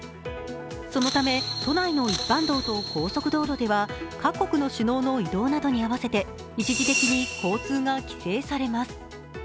そのため都内の一般道と高速道路では各国の首脳の移動などに合わせて一時的に交通が規制されます。